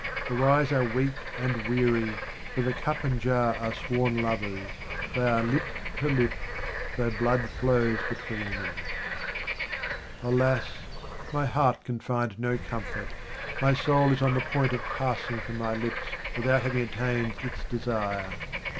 The wise are weak and weary, but the cup and jar are sworn lovers. They are lip to lip, though blood flows between them. Alas ! my heart can find no comfort, my soul is on the point of passing from my lips, without having attained its desire.